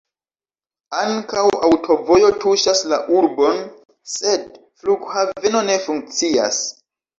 Ankaŭ aŭtovojo tuŝas la urbon, sed flughaveno ne funkcias.